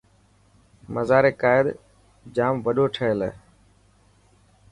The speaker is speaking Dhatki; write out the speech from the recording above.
مزار قائد جام وڏو ٺهيل هي.